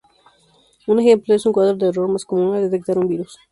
Un ejemplo es un cuadro de error, más común al detectar un virus.